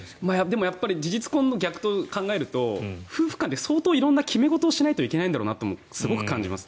でもやっぱり事実婚の逆と考えると夫婦間で相当色々な決め事をしなければいけないんだろうなとすごく思います。